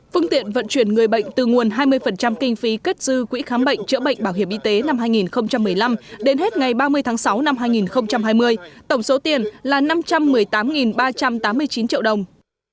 phương tiện vận chuyển người bệnh từ nguồn hai mươi kinh phí kết dư quỹ khám bệnh chữa bệnh bảo hiểm y tế năm hai nghìn một mươi năm đến hết ngày ba mươi tháng sáu năm hai nghìn hai mươi tổng số tiền là năm trăm một mươi tám ba trăm tám mươi chín triệu đồng